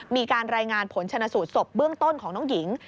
มีการรายงานผลชนะสูตรศพเบื้องต้นของน้องหญิง